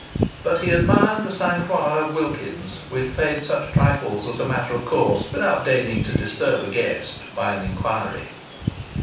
But he admired the sang froid of Wilkins's, which paid such trifles as a matter of course, without deigning to disturb a guest by an inquiry.